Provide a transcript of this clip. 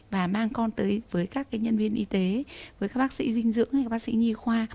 và mang con tới với các nhân viên y tế với các bác sĩ dinh dưỡng hay các bác sĩ nhi khoa